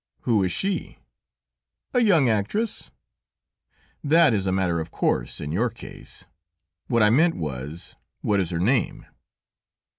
"Who is she?" "A young actress." "That is a matter of course in your case; what I meant was, what is her name?"